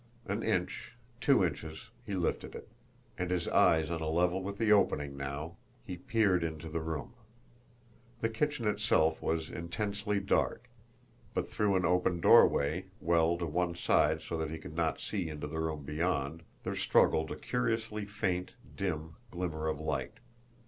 An inch, two inches he lifted it; and, his eyes on a level with the opening now, he peered into the room. The kitchen itself was intensely dark; but through an open doorway, well to one side so that he could not see into the room beyond, there struggled a curiously faint, dim glimmer of light.